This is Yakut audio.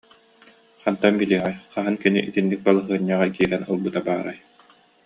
Хантан билиэҕэй, хаһан кини итинник балаһыанньаҕа киирэн ылбыта баарай